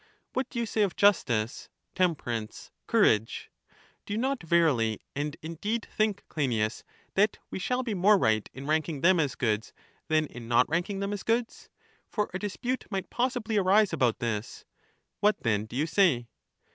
What do you say of justice, temperance, courage: do you not verily and indeed think, Cleinias, that we shall be more right in ranking them as goods than in not rank ing them as goods? For a dispute might possibly arise about this. What then do you say?